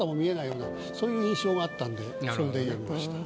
そういう印象があったんでそれで詠みました。